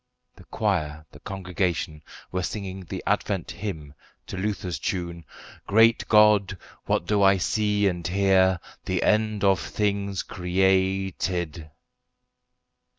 The choir, the congregation, were singing the Advent hymn to Luther's tune "Great God, what do I see and hear? The end of things created."